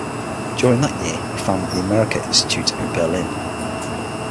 During that year he founded the Amerika-Institut in Berlin.